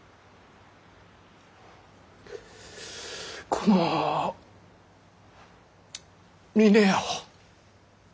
この峰屋を。